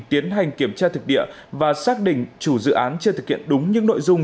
tiến hành kiểm tra thực địa và xác định chủ dự án chưa thực hiện đúng những nội dung